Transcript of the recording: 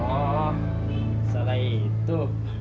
oh salah itu